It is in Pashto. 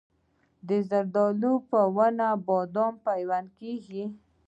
د زردالو په ونه بادام پیوند کیږي؟